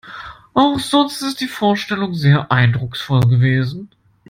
Auch sonst ist die Vorstellung sehr eindrucksvoll gewesen.